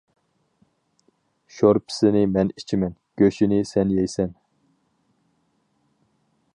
شورپىسىنى مەن ئىچىمەن، گۆشىنى سەن يەيسەن.